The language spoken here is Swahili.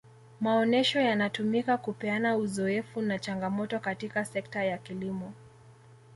maonesho yanatumika kupeana uzoefu na changamoto katika sekta ya kilimo